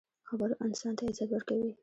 خبرو انسان ته عزت ورکوي.